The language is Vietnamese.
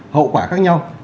hậu quả khác nhau